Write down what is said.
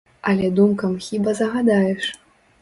Але думкам хіба загадаеш?